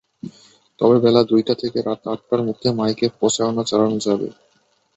তবে বেলা দুইটা থেকে রাত আটটার মধ্যে মাইকে প্রচারণা চালানো যাবে।